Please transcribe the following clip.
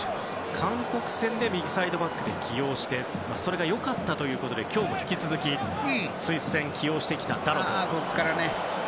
韓国戦で右サイドバックで起用してそれが良かったということで引き続き、スイス戦でも起用してきたダロト。